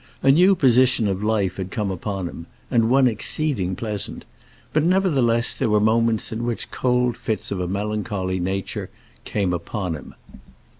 A new position of life had come upon him, and one exceeding pleasant; but, nevertheless, there were moments in which cold fits of a melancholy nature came upon him.